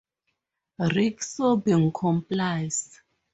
Rick, sobbing, complies.